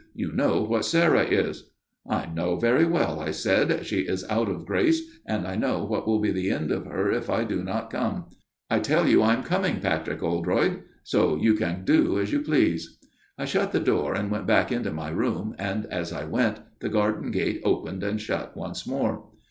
You know what Sarah is/ ' I know very well/ I said, ' she is out of grace, and I know what will be the end of her if 180 A MIRROR OF SHALOTT I do not come. I tell you I am coming, Patrick Oldroyd. So you can do as you please.' " I shut the door and went back into my room, and as I went, the garden gate opened and shut once more.